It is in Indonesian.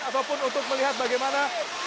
apapun untuk melihat bagaimana